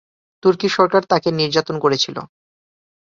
তুর্কি সরকার তাকে নির্যাতন করেছিল।